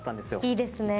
いいですね。